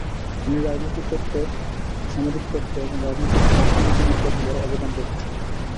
তিনি সামাজিক তত্ত্ব, রাজনৈতিক তত্ত্ব এবং রাজনৈতিক অর্থনীতিবিদ্যাতে বড় অবদান রেখেছেন।